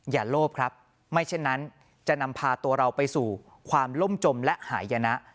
โลภครับไม่เช่นนั้นจะนำพาตัวเราไปสู่ความล่มจมและหายนะ